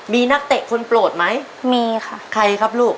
มีนักเตะคนโปรดมั้ย